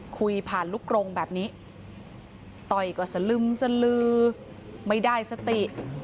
คุยผ่านลูกกรงแบบนี้ต่อยก็สลึมสลือไม่ได้สติ